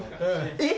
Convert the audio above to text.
えっ！